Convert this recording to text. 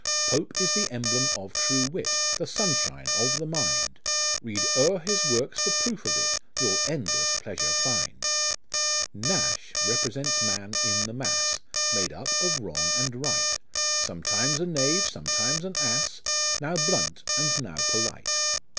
"Pope is the emblem of true Wit, The sunshine of the mind ; Read o'er his works for proof of it, You'll endless pleasure find. " Nash represents man in the mass, Made up of wrong and right ; Sometimes a knave, sometimes an ass, Now blunt and now pnlitf.